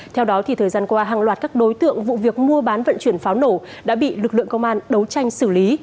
theo đó thời gian qua hàng loạt các đối tượng vụ việc mua bán vận chuyển pháo nổ đã bị lực lượng công an đấu tranh xử lý